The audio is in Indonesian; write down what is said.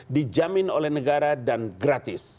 dijamin oleh negara dan gratis